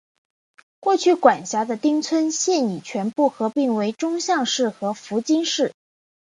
过去管辖的町村现已全部合并为宗像市和福津市。